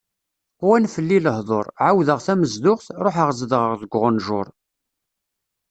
Qwan fell-i lehḍur, ɛawdeɣ tamezduɣt, ruḥeɣ zedɣeɣ deg uɣenǧur.